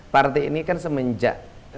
parti ini kan semenjak